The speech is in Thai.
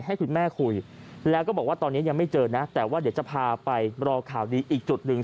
ให้คุณแม่คุยแล้วก็บอกว่าตอนนี้ยังไม่เจอนะแต่ว่าเดี๋ยวจะพาไปรอข่าวดีอีกจุดหนึ่ง